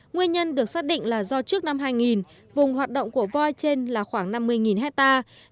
nguyên nhân được xác định là do trước năm hai nghìn vùng hoạt động của voi trên là khoảng năm mươi hectare